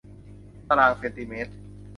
ตารางเซนติเมตร